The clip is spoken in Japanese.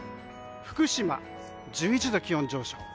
福島、１１度気温上昇。